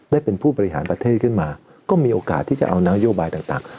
ได้เป็นผู้บริหารประเทศขึ้นมาก็มีโอกาสที่จะเอานโยบายต่าง